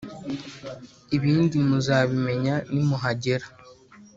ibindi muzabimenya nimuhagera.